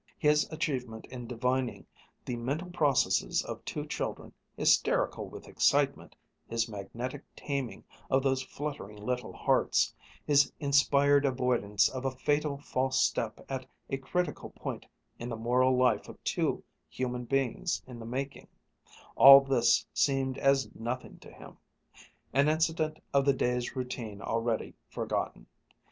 His achievement in divining the mental processes of two children hysterical with excitement, his magnetic taming of those fluttering little hearts, his inspired avoidance of a fatal false step at a critical point in the moral life of two human beings in the making all this seemed as nothing to him an incident of the day's routine already forgotten.